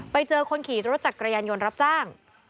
ไปเจอคนขี่รถจักรยานยนต์รับจ้าง